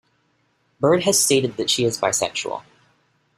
Byrd has stated that she is bisexual.